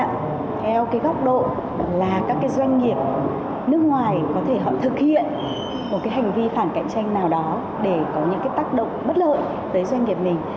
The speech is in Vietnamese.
và theo cái góc độ là các cái doanh nghiệp nước ngoài có thể họ thực hiện một cái hành vi phản cạnh tranh nào đó để có những cái tác động bất lợi tới doanh nghiệp mình